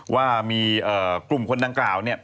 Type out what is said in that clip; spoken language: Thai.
ว่ามีกลุ่มคนดังปะร่าว